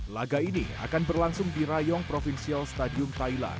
laga ini akan berlangsung di rayong provincial stadium thailand